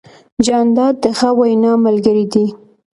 جانداد د ښه وینا ملګری دی.